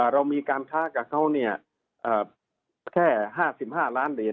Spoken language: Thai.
เรามีการค้ากับเขาแค่๕๕ล้านเหรียญ